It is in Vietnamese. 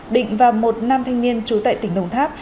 định và một nam thanh niên trú tại tỉnh đồng tháp